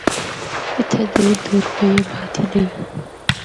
اِتھا دور دور کوئی آبادی نیں۔